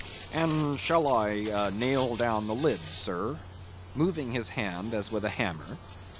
"And shall I nail down the lid, sir?" moving his hand as with a hammer.